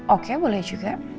oke boleh juga